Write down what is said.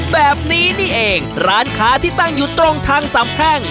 แบบนี้นี่เองร้านค้าที่ตั้งอยู่ตรงทางสามแพ่ง